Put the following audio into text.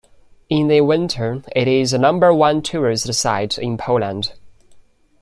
In the winter, it is the number one tourist site in Poland.